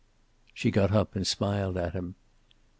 She got up and smiled at him.